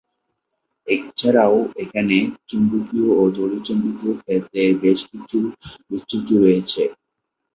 এছাড়াও এখানে চুম্বকীয় ও তড়িৎচুম্বকীয় ক্ষেত্রের বেশ কিছু বিচ্যুতি রয়েছে।